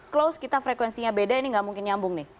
close kita frekuensinya beda ini nggak mungkin nyambung nih